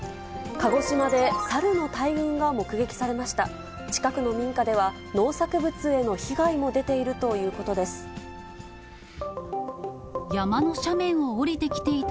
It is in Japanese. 鹿児島でサルの大群が目撃されました。